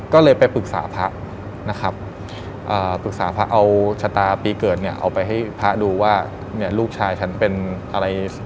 ก็เลยไปปรึกษาพระนะครับปรึกษาพระเอาชะตาปีเกิดเนี่ยเอาไปให้พระดูว่าเนี่ยลูกชายฉันเป็นอะไร